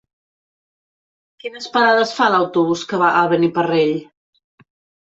Quines parades fa l'autobús que va a Beniparrell?